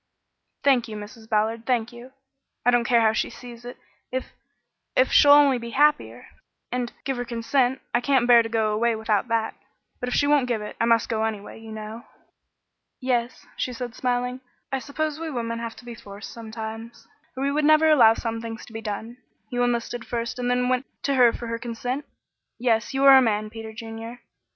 "Thank you, Mrs. Ballard, thank you. I don't care how she sees it, if if she'll only be happier and give her consent. I can't bear to go away without that; but if she won't give it, I must go anyway, you know." "Yes," she said, smiling, "I suppose we women have to be forced sometimes, or we never would allow some things to be done. You enlisted first and then went to her for her consent? Yes, you are a man, Peter Junior.